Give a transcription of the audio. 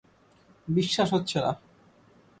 বিশ্বাস হচ্ছে না!